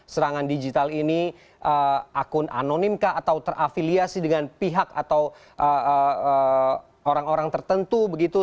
serangan digital ini akun anonimkah atau terafiliasi dengan pihak atau orang orang tertentu begitu